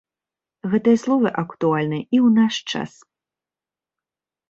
Гэтыя словы актуальныя і ў наш час.